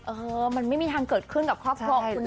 เออมันไม่มีทางเกิดขึ้นกับครอบครองคุณเนยเหรอ